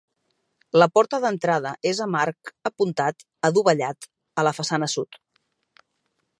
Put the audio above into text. La porta d'entrada és amb arc apuntat adovellat, a la façana sud.